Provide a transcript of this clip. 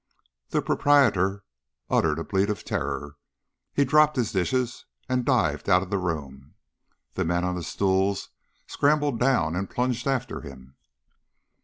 The proprietor uttered a bleat of terror; he dropped his dishes and dived out of the room; the men on the stools scrambled down and plunged after him.